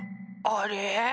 あれ？